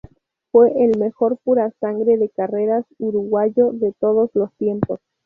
Fue el mejor purasangre de carreras uruguayo de todos los tiempos.